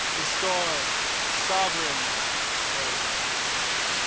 Restorer! Sovereign!" say!